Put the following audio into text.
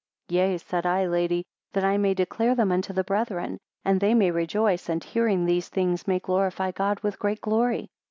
Yea, said I, lady, that I may declare them unto the brethren, and they may rejoice, and hearing these things may glorify God with great glory.